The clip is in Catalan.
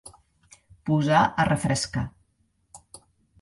Posar a refrescar.